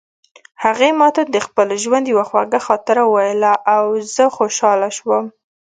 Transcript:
هغې ما ته د خپل ژوند یوه خوږه خاطره وویله او زه خوشحاله شوم